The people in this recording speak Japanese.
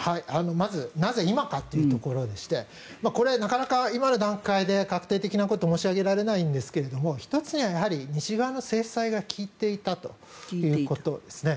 まずなぜ今かというところでしてなかなか今の段階で確定的なことは申し上げられないんですが１つには西側の制裁が効いていたということですね。